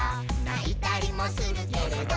「ないたりもするけれど」